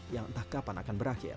yang entah kapan akan berakhir